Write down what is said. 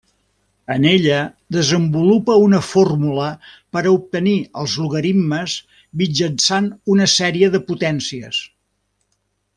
En ella desenvolupa una fórmula per a obtenir els logaritmes mitjançant una sèrie de potències.